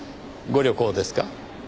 ご旅行ですか？